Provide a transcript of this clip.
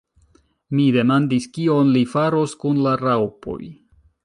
Mi demandis kion li faros kun la raŭpoj.